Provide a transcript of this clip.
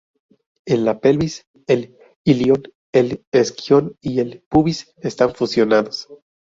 En la pelvis, el ilion, el isquion y el pubis están fusionados.